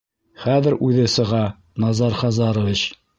Хәҙер үҙе сыға, Назар Хазарович!